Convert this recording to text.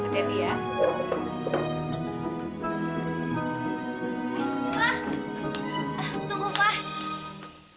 fah tunggu fah